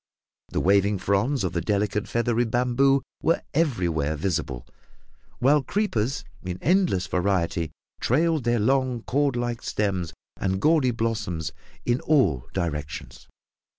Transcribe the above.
The waving fronds of the delicate feathery bamboo were everywhere visible, while creepers in endless variety trailed their long cordlike stems and gaudy blossoms in all directions.